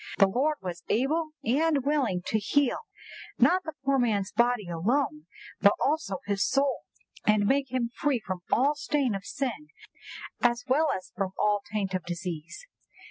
"The Lord was able and willing to heal, not the poor man's body alone, but also his soul; and make him free from all stain of sin as well as from all taint of disease."